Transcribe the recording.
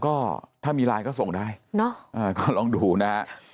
ก็ถ้ามีไลน์ก็ส่งได้เนอะก็ลองดูนะฮะ